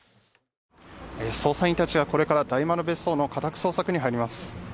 捜査員たちはこれから大丸別荘の家宅捜索に入ります。